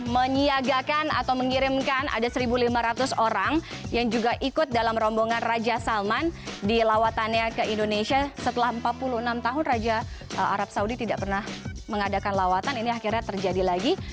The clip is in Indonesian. menyiagakan atau mengirimkan ada satu lima ratus orang yang juga ikut dalam rombongan raja salman di lawatannya ke indonesia setelah empat puluh enam tahun raja arab saudi tidak pernah mengadakan lawatan ini akhirnya terjadi lagi